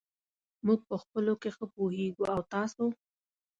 موږ په خپلو کې ښه پوهېږو. او تاسو !؟